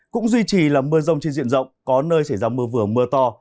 cũng duy trì là mưa rông trên diện rộng có nơi xảy ra mưa vừa mưa to